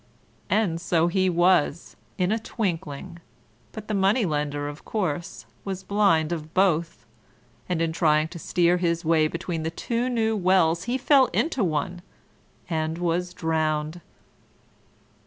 And so he was, in a twinkling, but the Money lender, of course, was blind of both, and in trying to steer his way between the two new wells he fell into one, and was drowned.